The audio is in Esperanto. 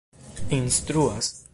instruas